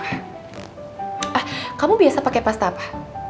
ah kamu biasa pakai pasta apa